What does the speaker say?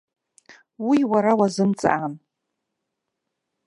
Уи уара уазымҵаан.